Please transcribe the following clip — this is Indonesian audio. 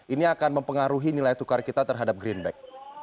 ini akan mempengaruhi nilai tukar kita terhadap greenback